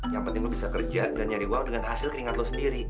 yang penting lo bisa kerja dan nyari uang dengan hasil keringat lo sendiri